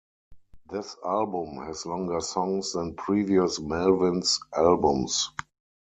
This album has longer songs than previous Melvins albums.